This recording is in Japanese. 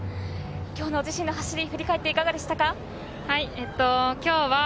今日の自身の走り、振り返っていかがですか？